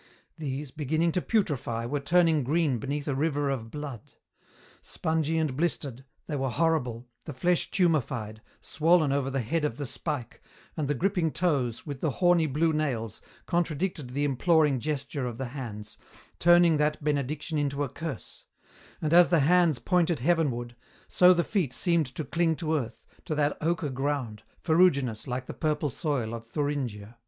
These, beginning to putrefy, were turning green beneath a river of blood. Spongy and blistered, they were horrible, the flesh tumefied, swollen over the head of the spike, and the gripping toes, with the horny blue nails, contradicted the imploring gesture of the hands, turning that benediction into a curse; and as the hands pointed heavenward, so the feet seemed to cling to earth, to that ochre ground, ferruginous like the purple soil of Thuringia.